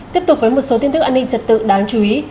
tiếp tục với một số tin tức an ninh trật tự đáng chú ý